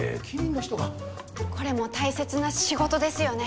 これも大切な仕事ですよね。